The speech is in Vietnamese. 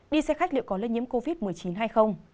đi xe khách liệu có lây nhiễm covid một mươi chín hay không